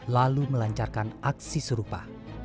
lalu melancarkan aksi serupa